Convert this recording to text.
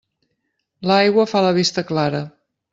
L'aigua fa la vista clara.